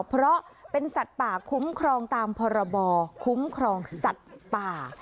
เพราะเป็นสัตว์ป่าคุ้มครองตามพรบคุ้มครองสัตว์ป่า